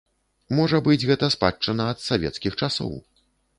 Можа быць гэта спадчына ад савецкіх часоў.